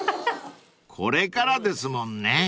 ［これからですもんね］